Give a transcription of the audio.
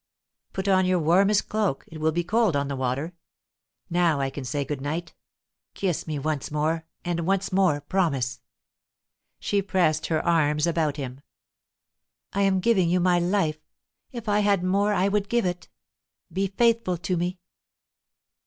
"Put on your warmest cloak; it will be cold on the water. Now I can say good night. Kiss me once more, and once more promise." She pressed her arms about him. "I am giving you my life. If I had more, I would give it. Be faithful to me!"